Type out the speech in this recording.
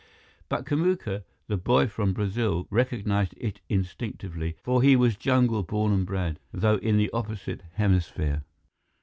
But Kamuka, the boy from Brazil, recognized it instinctively, for he was jungle born and bred, though in the opposite hemisphere.